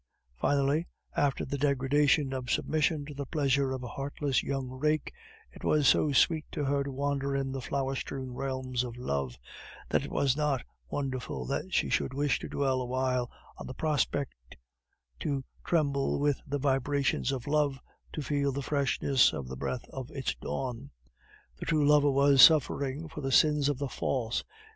Finally, after the degradation of submission to the pleasure of a heartless young rake, it was so sweet to her to wander in the flower strewn realms of love, that it was not wonderful that she should wish to dwell a while on the prospect, to tremble with the vibrations of love, to feel the freshness of the breath of its dawn. The true lover was suffering for the sins of the false.